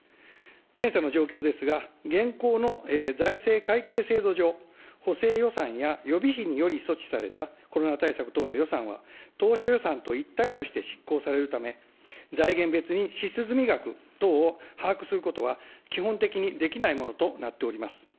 検査の状況ですが、現行の財政会計制度上、補正予算や予備費により措置されたコロナ対策等の予算は当初予算と一体として執行されるため、財源別に支出済額を把握することは基本的にできないものとなっております。